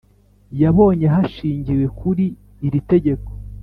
Yabonye hashingiwe kuri iri tegeko